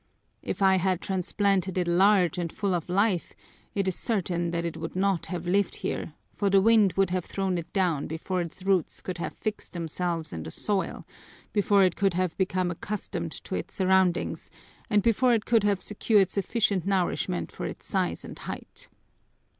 If I had transplanted it large and full of life, it is certain that it would not have lived here, for the wind would have thrown it down before its roots could have fixed themselves in the soil, before it could have become accustomed to its surroundings, and before it could have secured sufficient nourishment for its size and height.